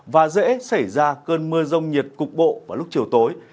và dễ xảy ra cơn mưa rông nhiệt cục bộ vào lúc chiều tối